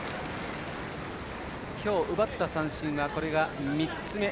今日奪った三振はこれが３つ目。